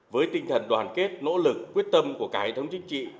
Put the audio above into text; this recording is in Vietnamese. với tinh thần đoàn kết nỗ lực quyết tâm của cải thống chính trị